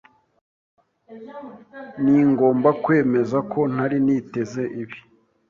Ningomba kwemeza ko ntari niteze ibi.